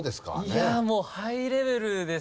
いやもうハイレベルですね。